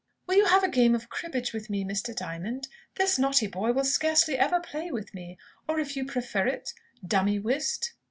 "Will you have a game of cribbage with me, Mr. Diamond? This naughty boy will scarcely ever play with me. Or, if you prefer it, dummy whist